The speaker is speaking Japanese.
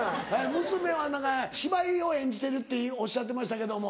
「娘は芝居を演じてる」っておっしゃってましたけども。